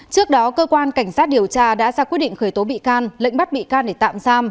trước đó cơ quan cảnh sát điều tra đã ra quyết định khởi tố bị can lệnh bắt bị can để tạm giam